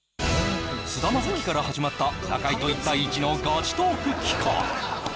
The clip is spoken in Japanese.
菅田将暉から始まった中居と１対１のガチトーク企画